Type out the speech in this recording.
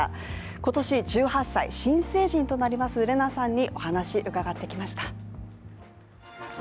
今年１８歳、新成人となりますレナさんにお話、伺ってきました。